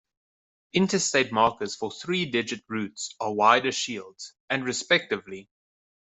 Interstate markers for three-digit routes are wider shields, and respectively.